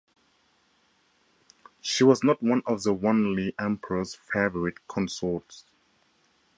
She was not one of the Wanli Emperor's favourite consorts.